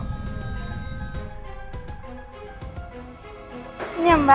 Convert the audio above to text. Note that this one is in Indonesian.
tunggu aku mau ambil